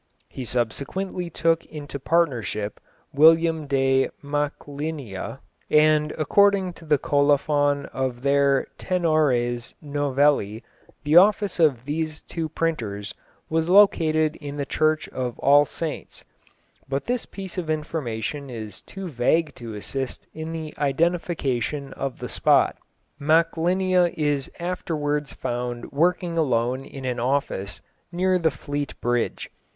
He subsequently took into partnership William de Machlinia, and according to the colophon of their Tenores Novelli the office of these two printers was located in the Church of All Saints', but this piece of information is too vague to assist in the identification of the spot. Machlinia is afterwards found working alone in an office near the Flete Bridge.